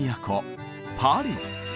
パリ。